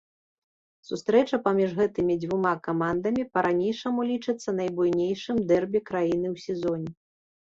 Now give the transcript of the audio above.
Сустрэча паміж гэтымі дзвюма камандамі па-ранейшаму лічыцца найбуйнейшым дэрбі краіны ў сезоне.